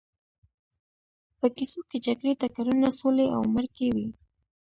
په کیسو کې جګړې، ټکرونه، سولې او مرکې وي.